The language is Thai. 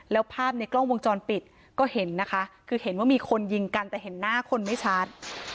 แล้วภาพในกล้องวงจรปิดก็เห็นนะคะคือเห็นว่ามีคนยิงกันแต่เห็นหน้าคนไม่ชัด